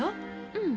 うん。